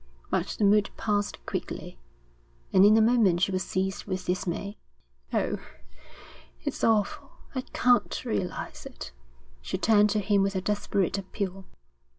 But the mood passed quickly, and in a moment she was seized with dismay. 'Oh, it's awful. I can't realise it.' She turned to him with a desperate appeal.